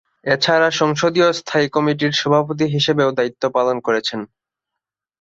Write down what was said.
এ ছাড়া সংসদীয় স্থায়ী কমিটির সভাপতি হিসেবেও দায়িত্ব পালন করেছেন।